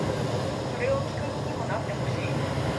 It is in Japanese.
それを聴く身にもなってほしい